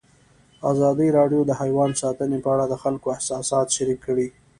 ازادي راډیو د حیوان ساتنه په اړه د خلکو احساسات شریک کړي.